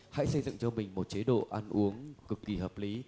hãy xây dựng cho mình một chế độ ăn uống cực kỳ hợp lý